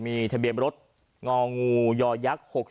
มีทะเบียนรถงงยย๖๒๔๘